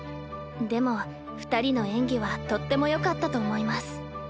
でも２人の演技はとってもよかったと思います。